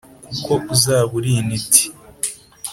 kuko uzaba uri intiti